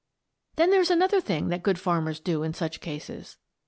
Then there's another thing that good farmers do in such cases.